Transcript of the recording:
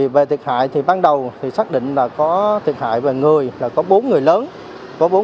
về thiệt hại ban đầu xác định là có thiệt hại về người có bốn người lớn